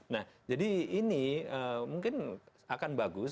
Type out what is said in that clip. nah jadi ini mungkin akan bagus